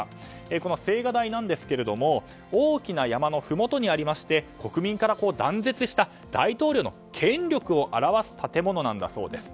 この青瓦台なんですけれども大きな山のふもとにありまして国民から断絶した大統領の権力を表す建物なんだそうです。